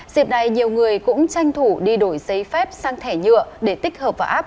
dịp này nhiều người cũng tranh thủ đi đổi giấy phép sang thẻ nhựa để tích hợp vào app